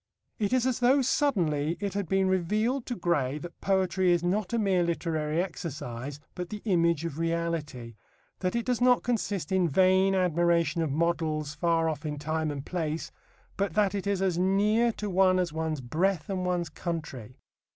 It is as though suddenly it had been revealed to Gray that poetry is not a mere literary exercise but the image of reality; that it does not consist in vain admiration of models far off in time and place, but that it is as near to one as one's breath and one's country.